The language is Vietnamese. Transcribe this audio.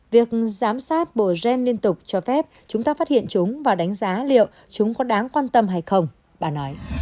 việc giám sát bộ gen liên tục cho phép chúng ta phát hiện chúng và đánh giá liệu chúng có đáng quan tâm hay không bà nói